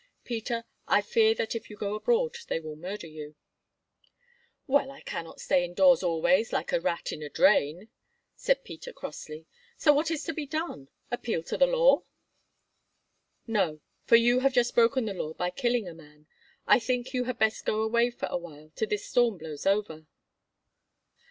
Peter, I fear that if you go abroad they will murder you." "Well, I cannot stay indoors always, like a rat in a drain," said Peter crossly, "so what is to be done? Appeal to the law?" "No; for you have just broken the law by killing a man. I think you had best go away for a while till this storm blows over."